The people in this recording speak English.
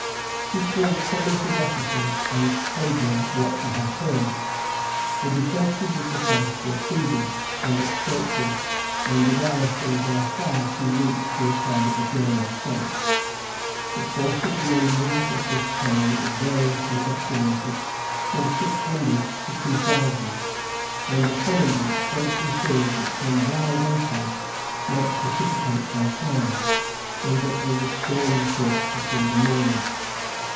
He called some of his officers, and told them what he had heard. The defences of the place were feeble and extensive, and the garrison by far too weak to repel a general assault. The force of the Indians at this time is variously estimated at from six hundred to two thousand; and the commandant greatly feared that some wild impulse might precipitate their plan, and that they would storm the fort before the morning.